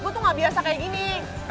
gue tuh gak biasa kayak gini